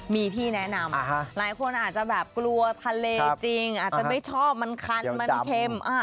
มีพี่แนะนำหลายคนอาจจะแบบกลัวทะเลจริงอาจจะไม่ชอบมันคันมันเข็ม